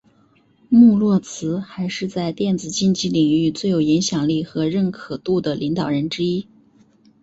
穆洛兹还是在电子竞技领域最有影响力和认可度的领导人之一。